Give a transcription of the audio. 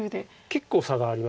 結構差があります。